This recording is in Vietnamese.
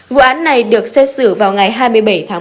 vụ án này được xếp xử vào ngày hai mươi bảy tháng một mươi hai